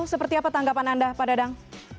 seperti apa tanggapan anda pak dadang